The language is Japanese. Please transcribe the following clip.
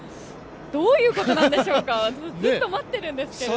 どういうことなんでしょうか、ずっと待っているんですけれども。